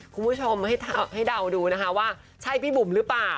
คุณผู้ชมให้เดาดูนะคะว่าใช่พี่บุ๋มหรือเปล่า